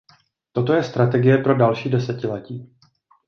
Toto je strategie pro další desetiletí.